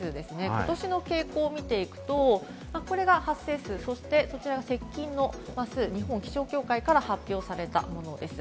今年の傾向を見ていくと、これが発生数、そしてこちらが接近数、日本気象協会から発表されたものです。